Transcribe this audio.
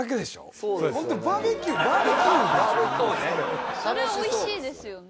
そりゃおいしいですよね。